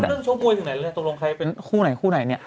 เรื่องชกมวยถึงไหนเลยตรงรวมใครเป็นคู่ไหนคู่ไหนเนี่ย